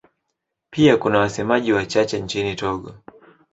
Pia kuna wasemaji wachache nchini Togo.